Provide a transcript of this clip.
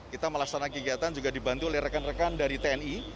kita melaksanakan kegiatan juga dibantu oleh rekan rekan dari tni